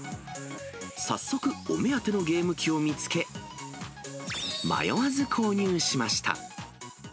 早速、お目当てのゲーム機を見つけ、迷わず購入しました。